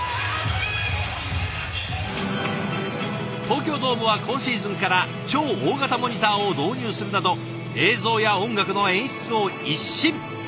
東京ドームは今シーズンから超大型モニターを導入するなど映像や音楽の演出を一新。